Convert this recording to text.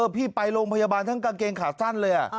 พี่ไปโรงพยาบาลทั้งกางเกงขาสั้นเลย